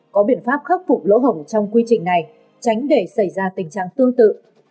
có biện pháp khắc phục lỗ hổng trong quy trình này tránh để xảy ra tình trạng tương tự